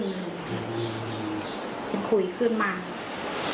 เป็นขุยขึ้นมา